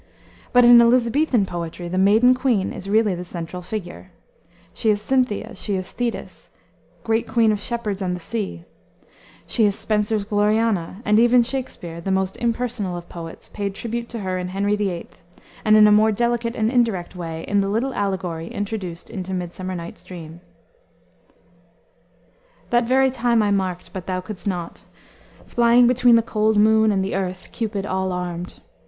But in Elisabethan poetry the maiden queen is really the central figure. She is Cynthia, she is Thetis, great queen of shepherds and of the sea; she is Spenser's Gloriana, and even Shakspere, the most impersonal of poets, paid tribute to her in Henry VIII., and, in a more delicate and indirect way, in the little allegory introduced into Midsummer Night's Dream. "That very time I marked but thou could'st not Flying between the cold moon and the earth, Cupid all armed.